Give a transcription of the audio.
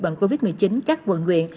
bệnh covid một mươi chín các quận nguyện